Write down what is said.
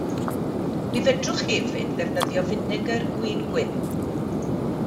Mi fedrwch hefyd ddefnyddio finegr gwin gwyn.